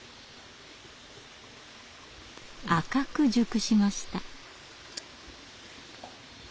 赤く熟しました。